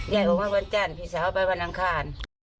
ในโรงวันนี้สาวไปวันลี้ภาพ